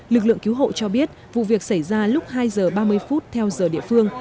lực lượng cứu hộ cho biết vụ việc xảy ra lúc hai h ba mươi phút theo giờ địa phương